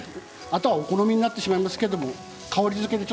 あとはお好みになってしまいますけど香り付けで